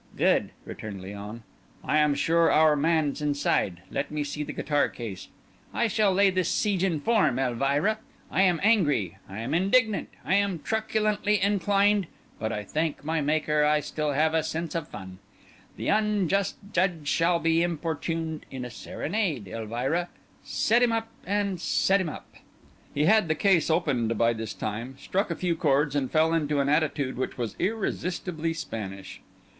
"Good," returned Léon. "I am sure our man's inside. Let me see the guitar case. I shall lay this siege in form, Elvira; I am angry; I am indignant; I am truculently inclined; but I thank my Maker I have still a sense of fun. The unjust judge shall be importuned in a serenade, Elvira. Set him up—and set him up." He had the case opened by this time, struck a few chords, and fell into an attitude which was irresistibly Spanish.